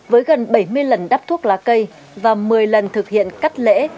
với gần bảy mươi lần đắp thuốc lá cây và một mươi lần thực hiện cắt lễ